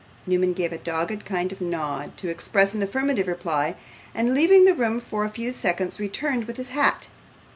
Newman gave a dogged kind of nod to express an affirmative reply, and, leaving the room for a few seconds, returned with his hat.